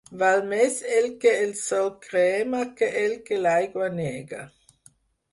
Val més el que el sol crema que el que l'aigua nega.